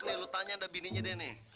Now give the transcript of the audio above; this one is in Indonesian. nih lo tanya anda bininya deh nih